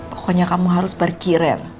pokoknya kamu harus pergi ren